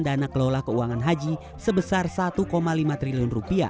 dana kelola keuangan haji sebesar rp satu lima triliun